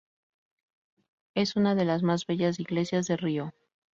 Es una de las más bellas iglesias de Río.